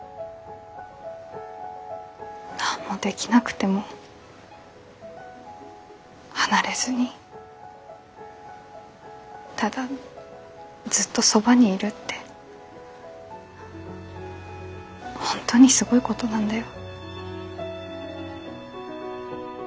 何もできなくても離れずにただずっとそばにいるって本当にすごいことなんだよ。